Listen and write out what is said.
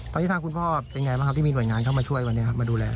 ตอนนี้ทางคุณพ่อเป็นไงบ้างครับที่มีหน่วยงานเข้ามาช่วยวันนี้ครับมาดูแล